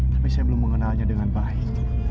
tapi saya belum mengenalnya dengan baik